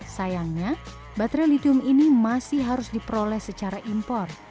sayangnya baterai litium ini masih harus diperoleh secara impor